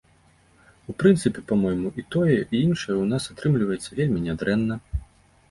І ў прынцыпе, па-мойму, і тое, і іншае ў нас атрымліваецца вельмі нядрэнна.